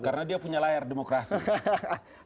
karena dia punya layar demokrasi